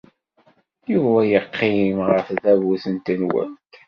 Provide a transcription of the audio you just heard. Yuba yeqqim ɣer tdabut n tenwalt.